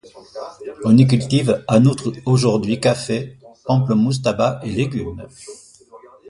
On y cultive en outre aujourd'hui café, pamplemousses, tabac et légumes.